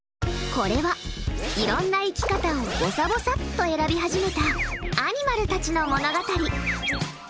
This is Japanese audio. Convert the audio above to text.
これは、いろんな生き方をぼさぼさっと選び始めたアニマルたちの物語。